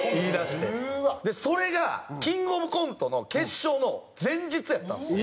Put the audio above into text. それがキングオブコントの決勝の前日やったんですよ。